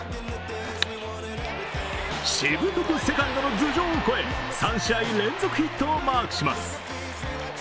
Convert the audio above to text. しぶとくセカンドの頭上を越え、３試合連続ヒットをマークします。